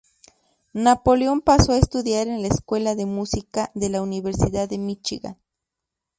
Napoleón pasó a estudiar en la escuela de música de la Universidad de Michigan.